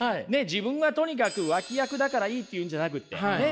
自分はとにかく脇役だからいいっていうんじゃなくてね